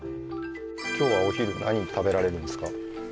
今日はお昼何食べられるんですか？